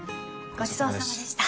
ごちそうさまでした。